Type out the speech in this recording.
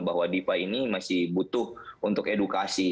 bahwa dipa ini masih butuh untuk edukasi